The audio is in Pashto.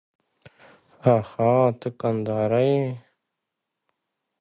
آښه ته کندهاری يې؟